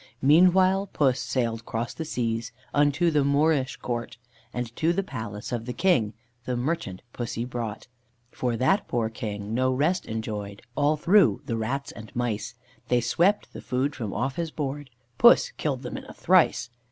Meanwhile Puss sail'd across the seas, Unto the Moorish Court, And to the palace of the King The merchant Pussy brought; For that poor King no rest enjoy'd All through the rats and mice, They swept the food from off his board Puss killed them in a trice."